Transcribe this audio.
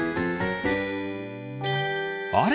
あれ？